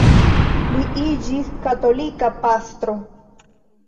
Li iĝis katolika pastro.